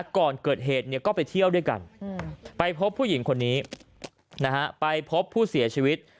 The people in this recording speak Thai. ก่อนเกิดเหตุก็ไปเที่ยวด้วยกันไปพบผู้หญิงคนนี้ไปพบผู้เสียชีวิต